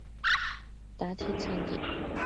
打鐵趁熱